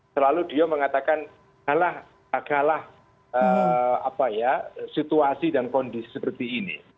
selalu beliau mengatakan kalah situasi dan kondisi seperti ini